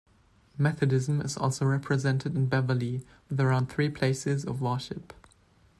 Methodism is also represented in Beverley with around three places of worship.